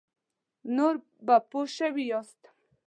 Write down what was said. نور به پوه شوي یاست.